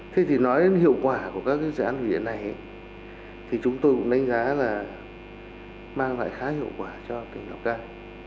thế thì nói đến hiệu quả của các dự án thủy điện này thì chúng tôi cũng đánh giá là mang lại khá hiệu quả cho tỉnh lào cai